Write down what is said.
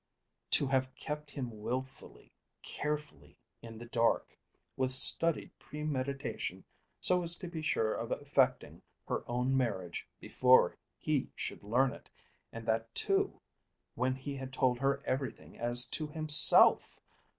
To have kept him wilfully, carefully, in the dark, with studied premeditation so as to be sure of effecting her own marriage before he should learn it, and that too when he had told her everything as to himself!